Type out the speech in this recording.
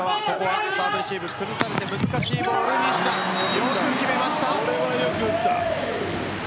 西田、よく決めました。